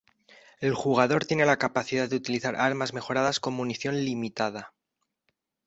El jugador tiene la capacidad de utilizar armas mejoradas con munición limitada.